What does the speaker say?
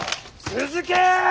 続け！